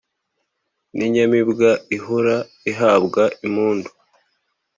n' inyamibwa ihora ihabwa impundu